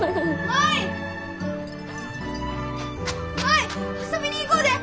舞遊びに行こうで！